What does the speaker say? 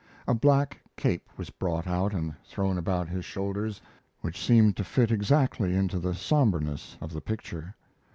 A black cape was brought out and thrown about his shoulders, which seemed to fit exactly into the somberness of the picture.